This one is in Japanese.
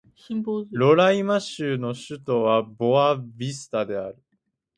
ロライマ州の州都はボア・ヴィスタである